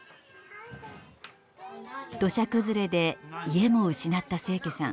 土砂崩れで家も失った清家さん。